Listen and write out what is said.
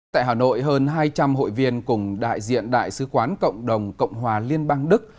tại hà nội hơn hai trăm linh hội viên cùng đại diện đại sứ quán cộng đồng cộng hòa liên bang đức